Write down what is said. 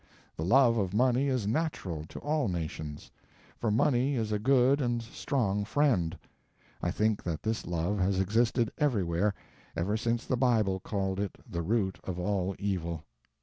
The love of money is natural to all nations, for money is a good and strong friend. I think that this love has existed everywhere, ever since the Bible called it the root of all evil.